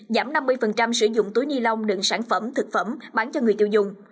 giảm năm mươi sử dụng túi ni lông đựng sản phẩm thực phẩm bán cho người tiêu dùng